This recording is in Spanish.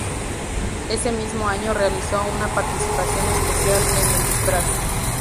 Ese mismo año realizó una participación especial en "El disfraz".